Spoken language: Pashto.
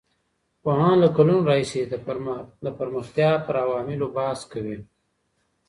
پوهان له کلونو راهيسې د پرمختيا پر عواملو بحث کوي.